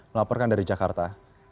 melaporkan dari jakarta